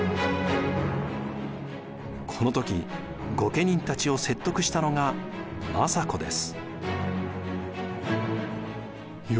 この時御家人たちを説得したのが政子です。